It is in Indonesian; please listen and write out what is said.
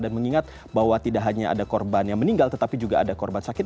dan mengingat bahwa tidak hanya ada korban yang meninggal tetapi juga ada korban sakit